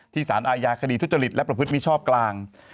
สารอาญาคดีทุจริตและประพฤติมิชอบกลาง